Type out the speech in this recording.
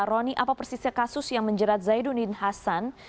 roni apa persisnya kasus yang menjerat zainuddin hasan